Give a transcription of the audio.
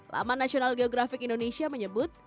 laman national geographic indonesia menyebut